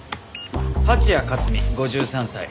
蜂矢克巳５３歳。